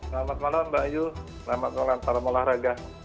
selamat malam mbak ayu selamat malam salam olahraga